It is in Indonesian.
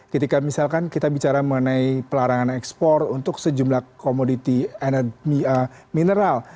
ketika misalkan kita bicara mengenai pelarangan ekspor untuk sejumlah komoditi mineral